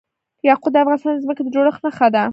یاقوت د افغانستان د ځمکې د جوړښت نښه ده.